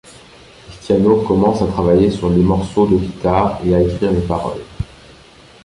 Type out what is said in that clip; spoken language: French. Cristiano commence à travailler sur les morceaux de guitare et à écrire les paroles.